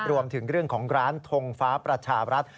รวมถึงเรื่องของร้านทงฟ้าประชาบรัฐ